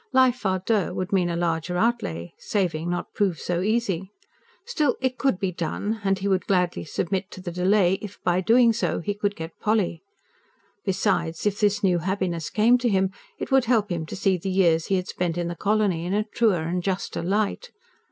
Life A DEUX would mean a larger outlay; saving not prove so easy. Still it could be done; and he would gladly submit to the delay if, by doing so, he could get Polly. Besides, if this new happiness came to him, it would help him to see the years he had spent in the colony in a truer and juster light.